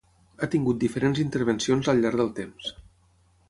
Ha tingut diferents intervencions al llarg del temps.